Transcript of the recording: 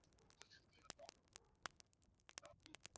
收录五首新歌。